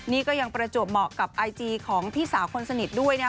นี่ก็ยังประจวบเหมาะกับไอจีของพี่สาวคนสนิทด้วยนะครับ